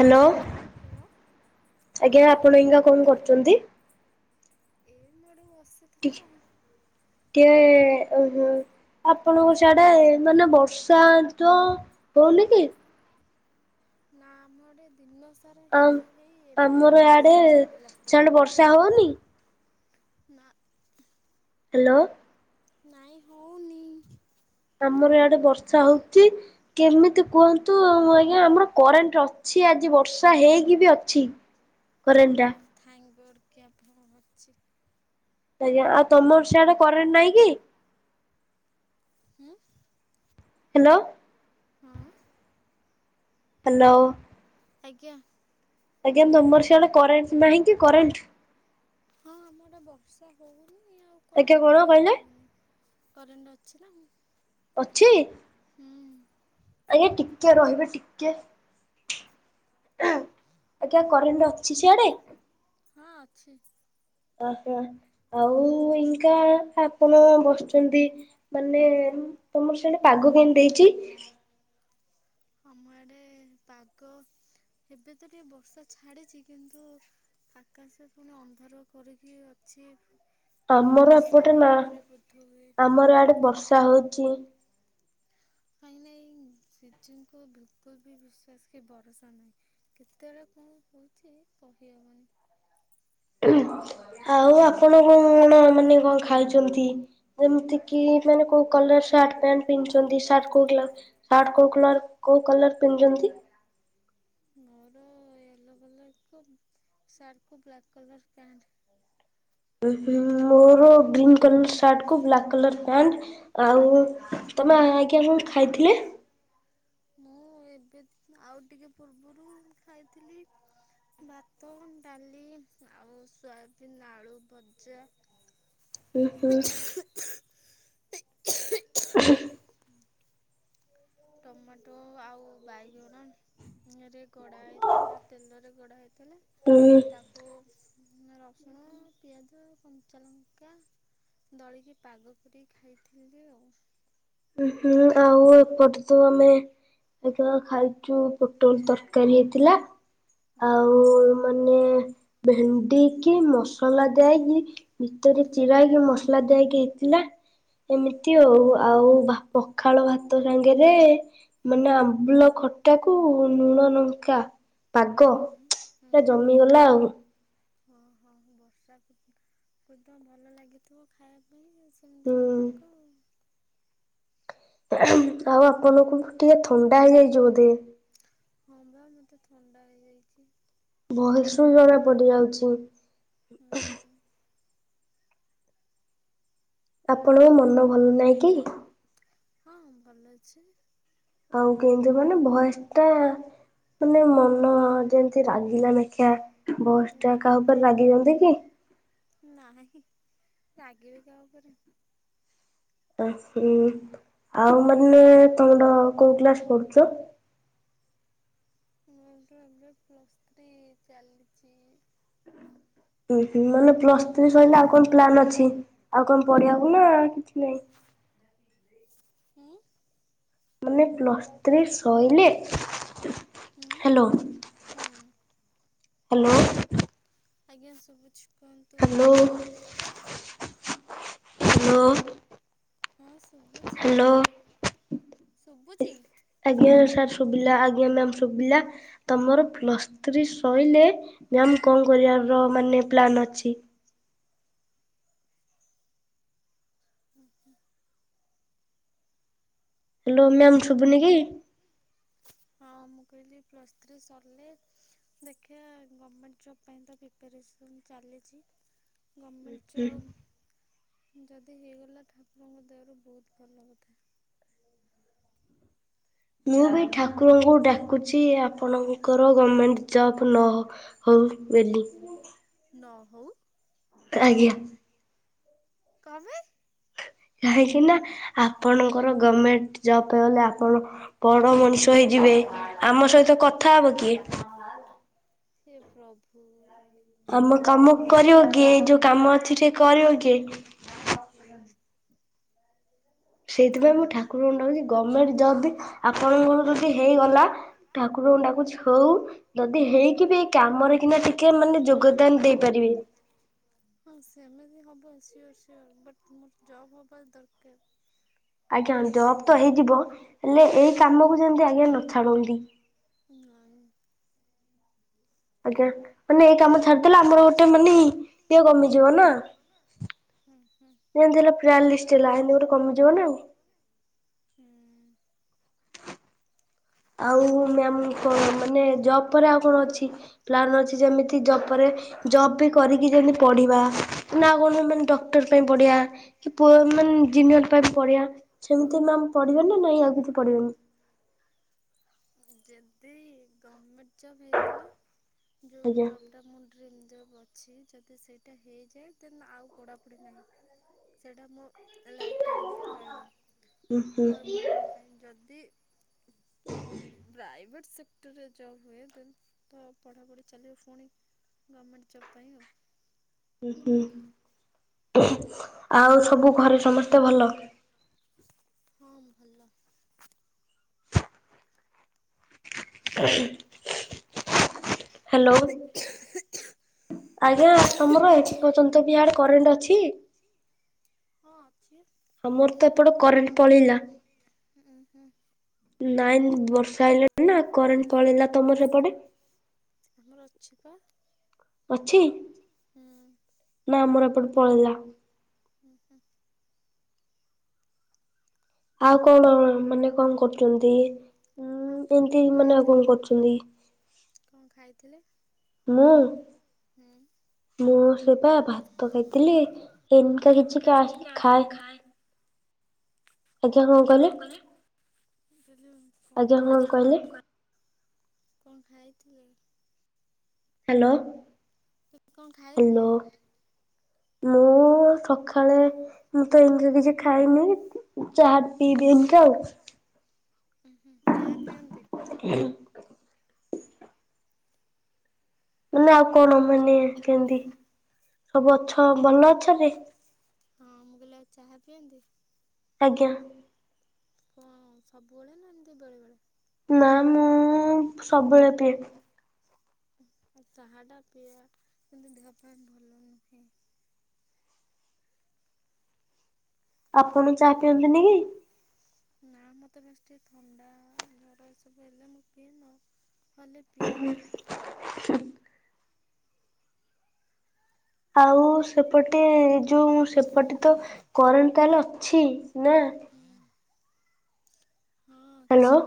Hello hello ଆଜ୍ଞା ଆପଣ ଏଇନା କଣ କରୁଚନ୍ତି? ଏମ୍ ମୁଁ ଏଠେ ବସିଥିଲି ଆଉ। କେ ଓହୋ। ଆପଣଙ୍କ ସଆଡେ ମାନେ ବର୍ଷା ତ ହଉନି କି? ନା ମରେ ଦିନସାରା ଆଉ ହେଇ ହେଇ ଏବେ ଟିକେ ବର୍ଷା ଛାଡିଲା। ଆସା ହଉନି। ନା। ହ୍ୟାଲୋ। ନାଇଁ ହଉନି। ଆମର ଆଡେ ବର୍ଷା ହଉଚି। କେମିତି କୁହନ୍ତୁ ଆଜ୍ଞା ଆମର କରେଣ୍ଟ ଅଛି ଆଜି ବର୍ଷା ହେଇକି ବି ଅଛି। କରେଣ୍ଟ ଓହୋ ଥାଙ୍କ ଗଡ୍ କି ଆପ କର ଛି। ଆଜ୍ଞା ଆଉ ତମର ସେଆଡେ କରେଣ୍ଟ ନାଇଁ କି? [unintelligible] ହ୍ୟାଲୋ। ହଁ ହ୍ୟାଲୋ। ଆଜ୍ଞା। ଆଜ୍ଞା ତମର ସିଆଡେ କରେଣ୍ଟ ନାହିଁ କି କରେଣ୍ଟ? ହଁ ଆମ ଆଡେ ବର୍ଷା ହଉନି ଆଉ ଆଜ୍ଞା କରେଣ୍ଟ କଣ କାହିଁ କହିଲେ? ରହିବନି କରେଣ୍ଟ ଅଛି ନା। ଅଛି। ହୁଁ। ଆଜ୍ଞା ଟିକେ ରହିବେ ଟିକେ। ଆଜ୍ଞା କରେଣ୍ଟ ଅଛି ସିଆଡେ? ହଁ ଅଛି। ଓହୋ ଆଉ ଇକା ଆପଣ ବସିଛନ୍ତି। ମାନେ ତମର ସେଣେ ପାଗ କେମତି ଦେଇଛି? ଆମ ଆଡେ ପାଗ ଏବେ ତ ଟିକେ ବର୍ଷା ଛାଡିଛି କିନ୍ତୁ ଆକାଶ ପୁଣି ଅନ୍ଧାର କରିକି ଅଛି। ପୁଣି ତମର ବର୍ଷା ଏପଟେ ନା ହେଇପାରେ ବୋଧ ହୁଏ। ଆମର ଆଡେ ବର୍ଷା ହଉଛି। କାଇଁ ନାଇଁ ସିଜଙ୍କୁ ବିଲକୁଲ ବି ବିଶ୍ୱାସ କି ଭରସା ନାହିଁ। କେତେବେଳେ କଣ କହୁଛି କହିହବନି। ଆଉ ଆପଣ କଣ ମାନେ କଣ ଖାଇଛନ୍ତି? ଯେମିତି କିି ମାନେ କୋଉ କଲର ସାର୍ଟ ପ୍ୟାଣ୍ଟ ପିନ୍ଧୁଛନ୍ତି ସାର୍ଟ କୋଉ କ ସାର୍ଟ କୋଉଁ କଲର କୋଉଁ କଲର ପିନ୍ଧୁଛନ୍ତି? ମୋର ୟେଲୋ କଲର କୁ ସାର୍ଟ କୁ ବ୍ଲାକ୍ କଲର ପ୍ୟାଣ୍ଟ। ମୋର ଗ୍ରୀନ୍ କଲର ସାର୍ଟ କୁ ବ୍ଲାକ୍ କଲର ପ୍ୟାଣ୍ଟ। ଆଉ ତମେ ଆଜ୍ଞା କଣ ଖାଇଥିଲେ? ମୁଁ ଏବେ ଆଉ ଟିକେ ପୂର୍ବରୁ ଖାଇଥିଲି। ଭାତ ଡାଲି ଆଉ ସୋୟାବିନ୍ ଆଳୁ ଭଜା। ହୁଁ ହୁଁ। ହୁଁ। ଟମାଟୋ ଆଉ ବାଇଗଣରେ ଗଡ଼ା ହେଇଥିଲା ତେଲରେ ଗଡ଼ା ହେଇଥିଲା ଉଁ ତାକୁ ରସୁଣ ପିଆଜ କଞ୍ଚା ଲଙ୍କା ଦଳିକି ପାଗ କରିକି ଖାଇଥିଲି ଆଉ। ହୁଁ ଆଉ ଏପଟକୁ ଆମେ ଆ ଖାଇଛୁ ପୋଟଳ ତରକାରୀ ହେଇଥିଲା। ହୁଁ ଆଉ ମାନେ ଭେଣ୍ଡି କିି ମସଲା ଦିଆ ହେଇକି ଭିତରେ ହୁଁ ଚିରା ହେଇକି ମସଲା ଦେଇକି ହେଇଥିଲା ଏମିତି ଆଉ ଆଉ ପଖାଳ ଭାତ ସାଙ୍ଗେରେ ମାନେ ଆମ୍ବୁଳ ଖଟା କୁ ଲୁଣ ଲଙ୍କା ପାଗ ହୁଁ ପୁରା ଜମିଗଲା ଆଉ। ଓଁ ହଁ ବର୍ଷାକୁଦତ ଭଲ ଲାଗିଥିବ ଖାଇବା ପାଇଁ ଆଉ। ସେମିତିଙ୍କ ହୁଁ ପାଗ ଆଉ। ଆଉ ଆପଣଙ୍କୁ ଟିକେ ଥଣ୍ଡା ହେଇଯାଇଛି ବୋଧେ। ହଁ ପା ମତେ ଥଣ୍ଡା ହେଇଯାଇଛି। ଭଏସ ରୁ ଜଣା ପଡି ଯାଉଛି। ହୁଁ। ଆପଣଙ୍କ ମନ ଭଲ ନାହିଁ କି? ହଁଁ ଭଲ ଅଛି। ଆଉ କେମତି ମାନେ ଭୟସ ଟା ମାନେ ମନ ଯେମତି ରାଗିଲା ନେଖିଆ ବସ୍ ଟା ନାଇଁ କାହା ଉପରେ ନାଇଁ ରାଗିଛନ୍ତି କି? ନାହିଁ ରାଗିବି କାହା ଉପରେ। ହୁଁ ଆଉ ମାନେ ତମର କୋଉ କ୍ଲାସ ପଢୁଛ? ମୋର ଏବେ ପ୍ଲସ୍ ଥ୍ରୀ ଚାଲିଛି। ମାନେ ପ୍ଲସ ଥ୍ରୀ ସରିଲା ଆଉ କଣ ପ୍ଲାନ୍ ଅଛି ଆଉ କଣ ପଢିବାକୁ ନା କିଛି ନହିଁ। ହୁଁ। ମାନେ ପ୍ଲସ୍ ଥ୍ରୀ ସଇଲେ ହୁଁ ହ୍ୟାଲୋ। ହୁଁ ହ୍ୟାଲୋ। ଆଜ୍ଞା ଶୁଭୁଛି କୁହନ୍ତୁ? Hello hello. ହଁ ଶୁଭୁଛି ଶୁଭୁଛି। ଆଜ୍ଞା ସାର୍ ଶୁଭିଲା ଆଜ୍ଞା ମ୍ୟାମ ଶୁଭିଲା। ତମର ପ୍ଲସ ଥ୍ରି ସଇଲେ [inaudible] ର ମାନେ ପ୍ଲାନ୍ ଅଛି। ହୁଁ ହୁଁ ହ୍ୟାଲୋ ମ୍ୟାମ୍ ଶୁବୁନି କି? ହ ମୁଁ କହିଲି ପ୍ଲସ୍ ଥ୍ରି ସରିଲେ ଦେଖିବା ଗମେଣ୍ଟ ଜବ ପାଇଁ ତ ପ୍ରି ପ୍ରିପାରେସନ୍ ଚାଲିଛି। ଗମେଣ୍ଟ ହୁଁ ଜବ୍ ଯଦି ହେଇଗଲା ଠାକୁରଙ୍କ ଦୟାରୁ ବହୁତ ଭଲ କଥା। ମୁଁ ବି ଠାକୁରଙ୍କୁ ଡାକୁଛି ଆପଣଙ୍କର ଗମେଣ୍ଟ ଜବ୍ ନହ ହଉ ବୋଲି। ନହଉ। ଆଜ୍ଞା। କଣ ବେ? କାହିଁକି ନା ଆପଣଙ୍କର ଗମେଣ୍ଟ ଜବ ହେଲେ ଆପଣ ବଡ ମଣିଷ ହୋଇଯିବେ ଆମ ସହିତ କଥା ହବ କିଏ? ହେ ପ୍ରଭୁ। ଆମ ଛାଡ କାମ ଛାଡ। କରିବ କିଏ ଏଇ ଯୋଉ କାମ ଅଛି ଟିକେ କରିବ କିଏ? ସେଇଥିପାଇଁ ମୁଁ ଠାକୁରଙ୍କ ଡାକୁଛି ଗମେଣ୍ଟ ଜବ ବି ଆପଣଙ୍କ ଯଦି ହେଇଗଲା ଠାକୁରଙ୍କୁ ଡାକୁଛି ହଉ ଯଦି ହେଇକି ବି କାମରେ କିନା ଟିକେ ମାନେ ଯୋଗଦାନ ଦେଇପାରିବେ। ହଁ ସେମିତି ହବ ସିଓର ସିଓର ବଟ୍ ମୋର ଜବ୍ ହବା ଦରକାର। ଆଜ୍ଞା ଜବ ତ ହେଇଯିବ ହେଲେ ଏଇ କାମକୁ ଯେମତି ଆଜ୍ଞା ନ ଛାଡନ୍ତି। ନାଇଁ। ଆଜ୍ଞା ମାନେ ଏଇ କାମ ଛାଡିଦେଲେ ଆମର ଗୋଟେ ମାନେ ଇଏ କମିଯିବ ନା ହୁଁ ହୁଁ। ଏମିତି ହେଲେ ପ୍ରା ଲିଷ୍ଟ ହେଲା ଏମିତି ଗୋଟେ ଲାଇନ୍ କମଯିବ ନା ଆଉ ହୁଁ। ଆଉ ମ୍ୟାମ୍ କଣ ଜବ ପରେ ଆଉ କଣ ଅଛି ପ୍ଲାନ୍ ଅଛି ଜବ ପରେ ଜବ ବି କରିକି ଯେମିତି ପଢ଼ିବା ନା କଣ ଡକ୍ଟର ପାଇଁ ପଢ଼ିବା? କି ପୁଅ ମାନେ ଜିନିଅର ପାଇଁ ପଢିଆ ସେମିତି ମ୍ୟାମ ପଢିବେ ନା ନାଇଁ ଆଉ କିଛି ପଢିବେନି। ଯଦି ଗମେଣ୍ଟ ଜବ ହେଇଗଲା ଯୋଉ ଆଜ୍ଞା ଜବ ଟା ମୁଁ ଡ୍ରିମ ଜବ୍ ଅଛି ଯଦି ସେଇଟା ହେଇଯାଏ ତେ ଆଉ ପଢାପଢି ନାହିଁ। ସେଇଟା ମୋ ଲାଇଫ୍ ଟାଇମ୍ ରହିବ ଉଁ ହୁଁ ପରମାନେଣ୍ଟ ପାଇଁ ଯଦି ହ ପ୍ରାଇଭେଟ୍ ସେକ୍ଟରରେ ଜବ୍ ହୁଏ ତ ପଢ଼ାପଢ଼ି ଚାଲିବ ପୁଣି ଗମେଣ୍ଟ ଜବ୍ ପାଇଁ ହୁଁ ହୁଁ ଆଉ ସବୁ ଘରେ ସମସ୍ତେ ଭଲ। ହଁ ଭଲ। ହାଲୋ। [unintelligible] ଆଜ୍ଞା ତମର ଏ ପଯ୍ୟନ୍ତ ବି ଇଆଡେ କରେଣ୍ଟ ଅଛି। ହଁ ଅଛି ଆମର ତ ଏପଟେ କରେଣ୍ଟ ପଳେଇଲା। ହୁଁ ହୁଁ। ନାଇଁ ବର୍ଷା ଆଇଲାଣି ନା କରେଣ୍ଟ ପଳେଇଲା ତମର ସେପଟେ ଆମର ଅଛି ବା ଅଛି ନା ଆମର ଏପଟେ ପଳେଇଲା ହୁଁ ହୁଁ ଆଉ କଣ ମାନେ କଣ କରୁଛନ୍ତି? ହୁଁ ଆପଣ ଏମିତି କଣ ମାନେ ଆଉ ଖାଇଥିଲେ କଣ କରୁଛନ୍ତି? କଣ ଖାଇଥିଲେ? ମୁଁ ହୁଁ ମୁଁ ସେବା ଭାତ ଖାଇଥିଲି ଏମିତିକା କିଛି [unintelligible] କାହିଁ ଖାଏ ଆଜ୍ଞା କଣ କହିଲେ ଆଜ୍ଞା କଣ କହିଲେ? [unintelligible] କଣ ଖାଇଥିଲେ? ହ୍ୟାଲୋ କଣ ହାଲୋ ଖାଇଥିଲେ ମୁଁ ସକାଳେ ମୁଁ ତ ଏମିତି କିଛି ଖାଇନି ଚାହା ପିଇବି ଏମିତି ଆଉ ହୁଁ ହୁଁ ଚାହା ପିଅନ୍ତି ହୁଁ ମେ ଆଉ କଣ ମାନେ କେମିତି ସବୁ ଅଛ ଭଲ ଅଛନ୍ତି ହଁ ମୁଁ କହିଲି ଆଉ ଚାହା ପିଅନ୍ତି ଆଜ୍ଞା କଣ ସବୁବେଳେ ନା ଏମିତି ବେଳେ ବେଳେ ନା ମୁଁ ସବୁବେଳେ ପିଏ ଆଉ ଚାହା ଟା ପିଏ କିନ୍ତୁ ଦେହ ପାଇଁ ଭଲ ନୁହେଁ ଆପଣ ବି ଚାହା ପିଅନ୍ତିନି କି? ନା ମୋତେ ବେଶି ଟିକେ ଥଣ୍ଡା ଜ୍ଵର ହେଲେ ଏ ସବୁ ପିଏ ନ ହେଲେ ନ ହେଲେ ପିଏନା [unintelligible] ଆଉ ସେପଟେ ଯୋଉ ସେପଟେ ତ କରେଣ୍ଟ ତାର ଅଛି ନା? ହୁଁ ହଁ ହ୍ୟାଲୋ ଅଛି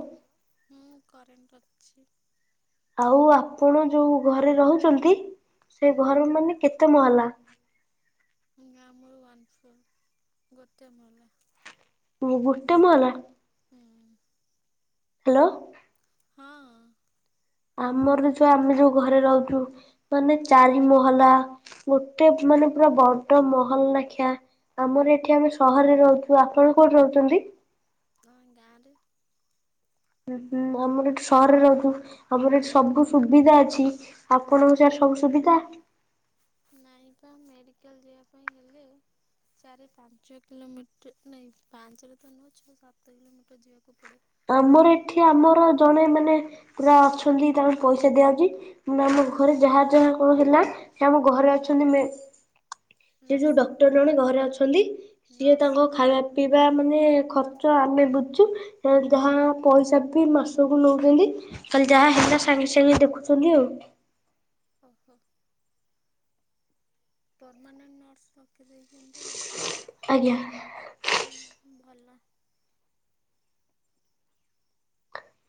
ହୁଁ କରେଣ୍ଟ ଅଛି ଆଉ ଆପଣ ଯୋଉ ଘରେ ରହୁଛନ୍ତି ସେ ହୁଁ ଘର ମାନେ କେତେ ମହଲା? ନା ଆମର ୱାନ ଫ୍ଲୋର ଗୋଟେ ମହଲା ହୁଁ ଗୋଟେ ମହଲା ହୁଁ ହ୍ୟାଲୋ ହଁ ଆମର ଯୋଉ ଆମେ ଯୋଉ ଘରେ ରହୁଛୁ ମାନେ ଚାରି ମହଲା ଗୋଟେ ମାନେ ପୁରା ବଡ ମହଲ ଲେଖିଆ ଆମର ଏଠି ଆମେ ସହରରେ ରହୁଛୁ ଆପଣ କୋଉଠି ରହୁଛନ୍ତି? ଗାଁ ରେ ହଁ ଆମର ଏଠି ସହରରେ ରହୁ ଆମର ଏଠି ସବୁ ସୁବିଧା ଅଛି ଆପଣଙ୍କ ସିଆଡେ ସବୁ ସୁବିଧା? ମେଡିକାଲ ମେଡିକାଲ ଯିବା ପାଇଁ ହେଲେ - ଚାରି ପାଞ୍ଚ କିଲୋମିଟର ନାଇଁ ପାଞ୍ଚରେ ତ ନୁହଁ ଛଅ ସାତ କିଲୋମିଟର ଯିବାକୁ ପଡ଼େ ଆମର ଦେନ୍ ଏଠି ଆମର ଜଣେ ମାନେ ପୁରା ଅଛନ୍ତି ତାଙ୍କୁ ପଇସା ଦିଆଯାଉଛି ଆମ ଘରେ ଯାହା ଯାହା କଣ ହେଲା ସେ ଆମ ଘରେ ଅଛନ୍ତି ସେ ଯୋଉ ନର୍ସିଂ ଡକ୍ଟର ଜଣେ ଘରେ ଅଛନ୍ତି ସିଏ ନର୍ସ ତାଙ୍କ ଖାଇବା ପିଇବା ମାନେ ଖର୍ଚ୍ଚ ଆମେ ବୁଝୁ ଯାହା ପଇସା ବି ମାସକୁ ନେଉଛନ୍ତି କାଲି ଯାହା ହେଲା ସାଙ୍ଗେ ସାଙ୍ଗେ ଦେଖୁଥୁଲି ଆଉ। [inaudible] ପର୍ମାନେଣ୍ଟ୍ ନର୍ସ ରଖି ଦେଇ--ନ୍ତି ଆଉ। ଆଜ୍ଞା। ହୁଁ ଭଲ।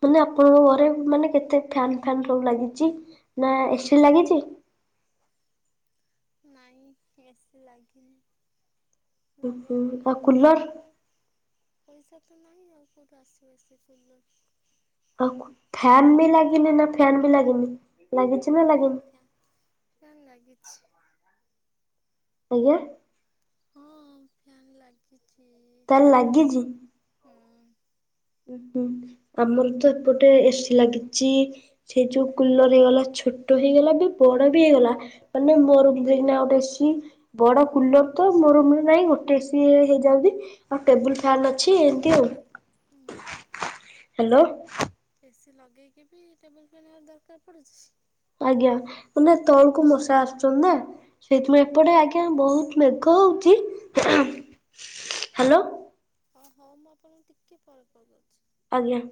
ମାନେ ଆପଣଙ୍କ ଘରେ ମାନେ କେତେ ଫ୍ୟାନ୍‌ ଫ୍ୟାନ୍‌ ସବୁ ଲାଗିଚି, ନା ଏସି ଲାଗିଚି? ନାଇଁ, ଏସି ଲାଗିନି। ଲଗେଇବା ପାଇଁ ଆଉ ପଇସା କୁଲର? ତ ପଇସା ତ ନାହିଁ ଆଉ, କଉଠୁ ଆସିବ ଏସି କୁଲର୍? ଫ୍ୟାନ୍ ବି ଲାଗିନି ନା ଫ୍ୟାନ୍‌ ବି ଲାଗିନି, ଲାଗିଚି ନା ଲାଗିନି? [inaudible] ଆଜ୍ଞା। ହଁ, ଫ୍ୟାନ୍ ଲାଗିଚି। ତାହେଲେ ଆମର୍ ତ ଏପଟେ ଏସି ଲାଗିଚି। ସେ ଯଉ କୁଲର୍ ହେଇଗଲା, ଛୋଟ ହେଇଗଲା ବି ବଡ଼ ବି ହେଇଗଲା। ହୁଁ ମାନେ ମୋ ରୁମ ଯକନା ଗୋଟେ ଏସି ବଡ କୁଲର ତ ମୋ ରୁମ ରେ ନାଇଁ ଗୋଟେ ଡ୍ରେସି ହେଇଯାଉି ଆଉ ଟେବୁଲ ଫ୍ୟାନ୍ ଅଛି ଏମିତି ଆଉ [unintelligible] ହାଲୋ। ଏସିି ଲଗେଇକି ବି, ଟେବୁଲ୍ ଫ୍ୟାନ୍‌ ଦରକାର୍ ପଡୁଛି। ଆଜ୍ଞା, ତଳୁକୁ ମଶା ଆ------ନା। ସେଇଥି ଇଁ ଓହୋ। ଏପଟେ ଆଜ୍ଞା, ବହୁତ୍ ମେଘ ହଉଚି। [inaudible] [inaudible] ହଁ, ହଉ ମୁଁ ଆପଣ ଟିକେ ପରେ କଲ୍ କ---ଚି। ଆଜ୍ଞା।